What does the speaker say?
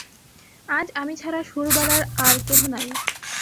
আজ আমি ছাড়া সুরবালার আর কেহ নাই।